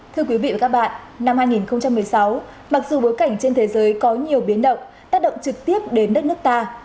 thưa quý vị và các bạn năm hai nghìn một mươi sáu mặc dù bối cảnh trên thế giới có nhiều biến động tác động trực tiếp đến đất nước ta